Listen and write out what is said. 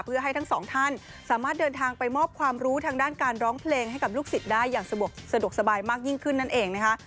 เพื่อให้ทั้งสองท่านสามารถเดินทางไปมอบความรู้ทางด้านการร้องเพลงให้กับลูกศิษย์ได้อย่างสะดวกสบายมากยิ่งขึ้นนั่นเองนะคะ